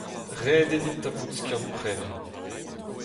Ret eo dit tapout skiant-prenañ.